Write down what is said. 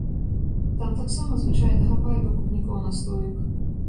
Там таксама звычайна хапае пакупнікоў настоек.